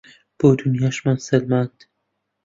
بۆ دونیاشمان سەلماند